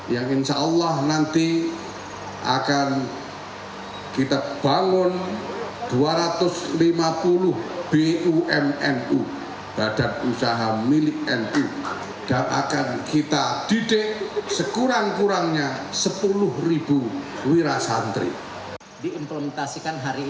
yang insya allah nanti akan kita bangun dua ratus lima puluh bumnu badan usaha milik nu